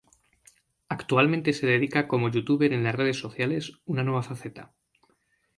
Actualmente se dedica como Youtuber en las redes sociales, una nueva faceta.